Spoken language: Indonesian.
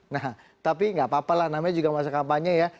nah tapi nggak apa apa lah namanya juga masa kampanye ya